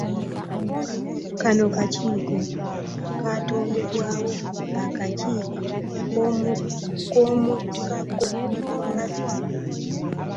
Kano kakiiko akaatondebwawo akakiiko k'omukago gwa Afrika.